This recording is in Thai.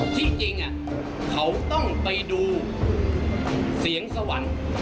ที่จริงเขาต้องไปดูเสียงสวรรค์